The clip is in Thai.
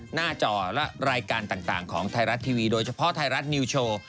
หน้าจอและรายการต่างของไทยรัฐทีวีโดยเฉพาะไทยรัฐนิวโชว์